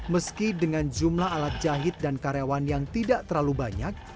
meski dengan jumlah alat jahit dan karyawan yang tidak terlalu banyak